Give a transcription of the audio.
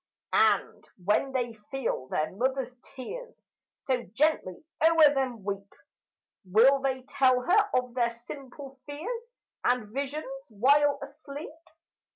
And when they feel their mother's tears So gently o'er them weep, Will they tell her of their simple fears And visions while asleep?